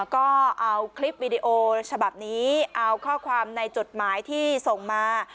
ก็เอาคลิปวิดีโอฉบับนี้เอาข้อความในจดหมายที่ส่งมา